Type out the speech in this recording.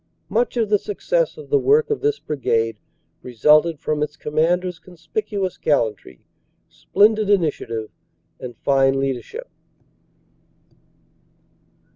Much of the success of the work of this Brigade resulted from its commander s conspicuous gallantry, splendid initiative and fine leadership.